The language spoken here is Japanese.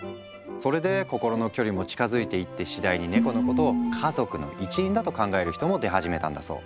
それで心の距離も近づいていって次第にネコのことを家族の一員だと考える人も出始めたんだそう。